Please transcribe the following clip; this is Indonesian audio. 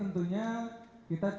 pembelajaran grab for business